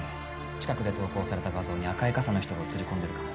近くで投稿された画像に赤い傘の人が写り込んでるかも。